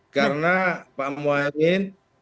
karena pak muhyiddin